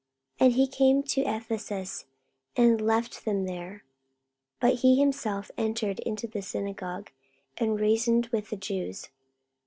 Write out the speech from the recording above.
44:018:019 And he came to Ephesus, and left them there: but he himself entered into the synagogue, and reasoned with the Jews.